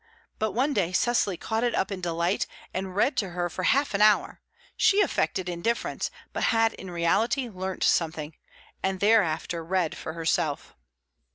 But one day Cecily caught it up in delight, and read to her for half an hour; she affected indifference, but had in reality learnt something, and thereafter read for herself.